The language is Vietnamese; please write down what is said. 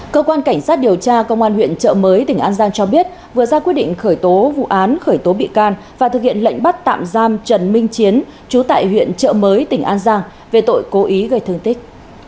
cơ quan cảnh sát điều tra công an huyện trợ mới tỉnh an giang cho biết vừa ra quyết định khởi tố vụ án khởi tố bị can và thực hiện lệnh bắt tạm giam trần minh chiến chú tại huyện trợ mới tỉnh an giang về tội cố ý gây thương tích